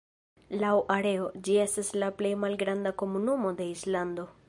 Laŭ areo, ĝi estas la plej malgranda komunumo de Islando.